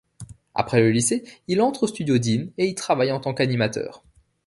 Après le lycée, il entre au studio Deen et y travaille en tant qu'animateur.